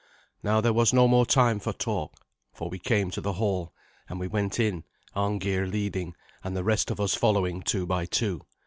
Now there was no more time for talk, for we came to the hall; and we went in, Arngeir leading, and the rest of us following two by two.